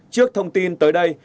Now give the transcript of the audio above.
trước thông tin tới đây